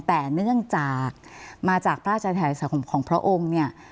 แต่เนื่องจากมาจากพระอาจารย์แถวสังคมของพระองค์เนี่ย